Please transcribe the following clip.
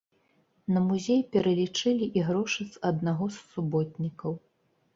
На музей пералічылі і грошы з аднаго з суботнікаў.